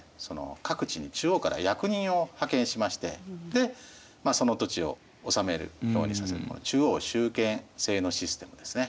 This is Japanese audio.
各地に中央から役人を派遣しましてでその土地を治めるようにさせる中央集権制のシステムですね。